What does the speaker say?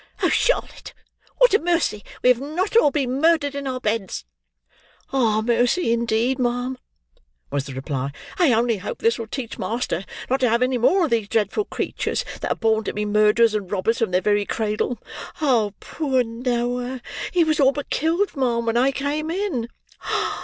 "Oh! Charlotte, what a mercy we have not all been murdered in our beds!" "Ah! mercy indeed, ma'am," was the reply. "I only hope this'll teach master not to have any more of these dreadful creatures, that are born to be murderers and robbers from their very cradle. Poor Noah! He was all but killed, ma'am, when I come in."